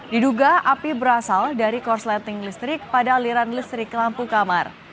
diduga api berasal dari korsleting listrik pada aliran listrik lampu kamar